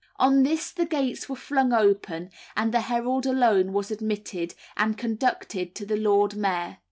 On this the gates were flung open, and the herald alone was admitted, and conducted to the Lord Mayor.